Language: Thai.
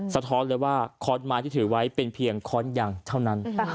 สะท้อนเลยว่าค้อนไม้ที่ถือไว้เป็นเพียงค้อนยางเท่านั้น